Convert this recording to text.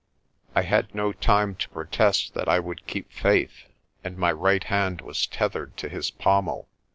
I had no time to protest that I would keep faith, and my right hand was tethered to his pommel.